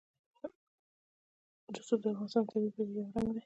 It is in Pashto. رسوب د افغانستان د طبیعي پدیدو یو رنګ دی.